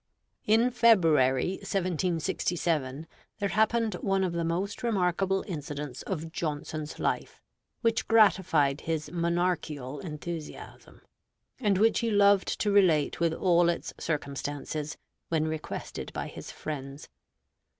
In February, 1767, there happened one of the most remarkable incidents of Johnson's life, which gratified his monarchical enthusiasm, and which he loved to relate with all its circumstances, when requested by his friends.